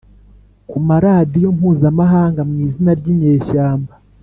ku maradiyo mpuzamahanga mu izina ry'inyeshyamba,